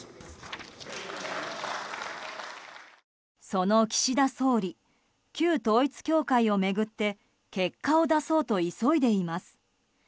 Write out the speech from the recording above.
その岸田総理旧統一教会を巡って結果を出そうと急いでいます。